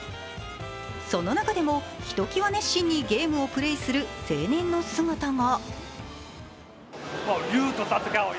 その中でもひときわ熱心にゲームをプレーする青年の姿が。